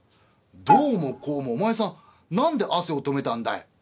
「どうもこうもお前さん何でアセをとめたんだい？」。